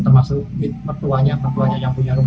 termasuk petuanya petuanya yang punya rumah